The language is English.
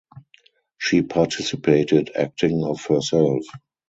She participated acting of herself.